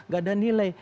gak ada nilai